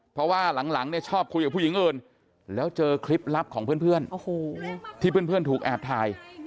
เพราะว่าหลังเนี่ยชอบคุยกับผู้หญิงอื่นแล้วเจอคลิปลับของเพื่อนที่เพื่อนถูกแอบถ่าย